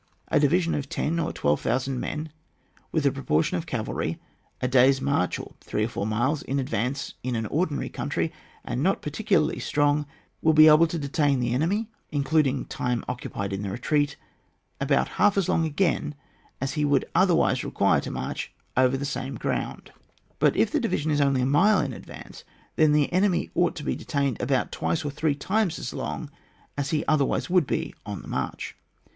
A division of ten or twelve thousand men, with a proportion of cavalry, a day's march of three or four miles in advance in an ordinary country, not particularly strong, will be able to detain the enemy (including time occupied in the retreat) about half as long again as he would otherwise require to march over the same ground, but if the division is only a mile in advance, then the enemy ought to be de tained about twice or three times as long as he otherwise would be on the march.